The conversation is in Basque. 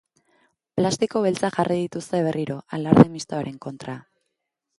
Plastiko beltzak jarri dituzte berriro, alarde mistoaren kontra.